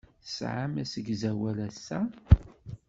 Tesɛam asegzawal ass-a?